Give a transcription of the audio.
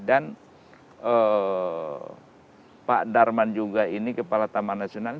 dan pak darman juga ini kepala taman nasional